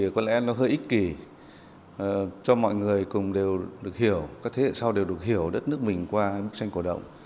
các thế hệ sau đều được hiểu đất nước mình qua bức tranh cổ động